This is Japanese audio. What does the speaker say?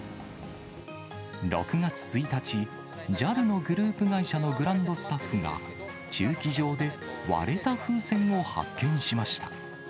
６月１日、ＪＡＬのグループ会社のグランドスタッフが、駐機場で割れた風船を発見しました。